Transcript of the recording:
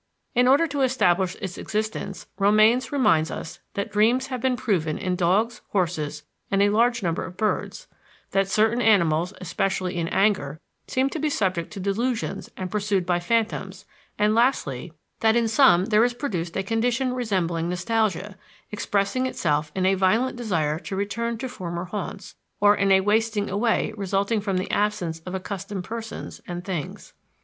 In order to establish its existence, Romanes reminds us that dreams have been proven in dogs, horses, and a large number of birds; that certain animals, especially in anger, seem to be subject to delusions and pursued by phantoms; and lastly, that in some there is produced a condition resembling nostalgia, expressing itself in a violent desire to return to former haunts, or in a wasting away resulting from the absence of accustomed persons and things.